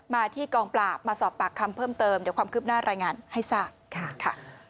มาที่กองปราบมาสอบปากคำเพิ่มเติมเดี๋ยวความคืบหน้ารายงานให้ทราบค่ะ